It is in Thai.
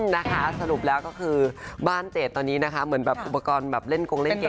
นะคะสรุปแล้วก็คือบ้านเจดตอนนี้นะคะเหมือนแบบอุปกรณ์แบบเล่นกงเล่นเกม